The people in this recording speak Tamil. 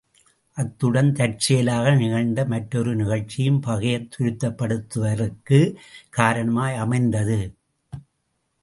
அத்துடன் தற்செயலாக நிகழ்ந்த மற்றொரு நிகழ்ச்சியும் பகையைத் துரிதப்படுத்துவதற்குக் காரணமாய் அமைந்தது.